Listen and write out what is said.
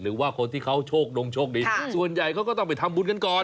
หรือว่าคนที่เขาโชคดงโชคดีส่วนใหญ่เขาก็ต้องไปทำบุญกันก่อน